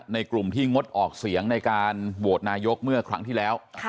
กลุ่มที่งดออกเสียงในการโหวตนายกเมื่อครั้งที่แล้ว